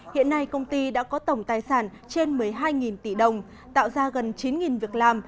hiện nay công ty đã có tổng tài sản trên một mươi hai tỷ đồng tạo ra gần chín việc làm